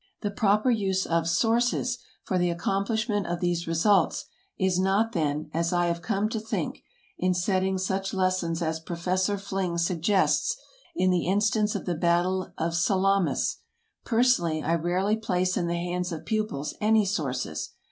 The proper use of "Sources" for the accomplishment of these results is not, then, as I have come to think, in setting such lessons as Professor Fling suggests in the instance of the Battle of Salamis; personally I rarely place in the hands of pupils any sources.